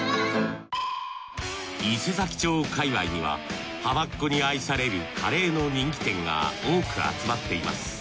伊勢佐木町界わいにはハマっ子に愛されるカレーの人気店が多く集まっています。